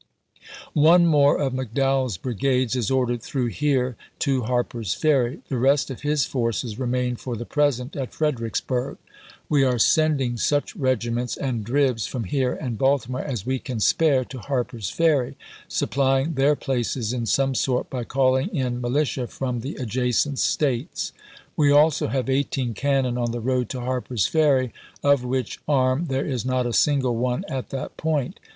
One more of McDowell's brigades is ordered through here to Harper's Ferry ; the rest of his forces remain for the present at Fredericksburg. We are sending such regiments and dribs from here and Baltimore as we can spare to Harper's Ferry, supplying their places in some sort by calling in militia from the adjacent States. We also have eighteen cannon on the road to Harper's Ferry, of which arm there is not a single one at that point.